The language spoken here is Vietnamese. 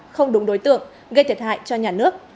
không đúng đối tượng gây thiệt hại cho nhà nước